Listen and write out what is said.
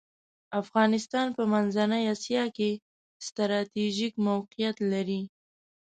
افغانستان په منځنۍ اسیا کې ستراتیژیک موقیعت لری .